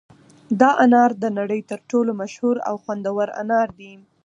دا انار د نړۍ تر ټولو مشهور او خوندور انار دي.